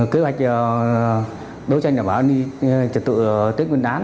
kế hoạch đấu tranh đảm bảo trật tự tiết quyền đáng